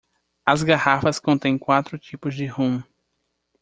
As garrafas contêm quatro tipos de rum.